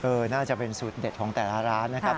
น่าจะเป็นสูตรเด็ดของแต่ละร้านนะครับ